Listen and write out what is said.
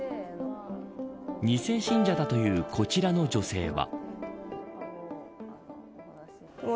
２世信者というこちらの女性は。